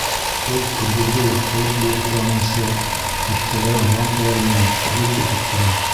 Ул көндөҙгө яҡтылыҡ биреп яныусы тиҫтәләгән лампалар менән гөлт итеп тора.